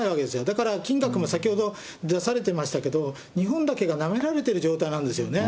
だから金額も先ほど出されていましたけど、日本だけがなめられてる状態なんですよね。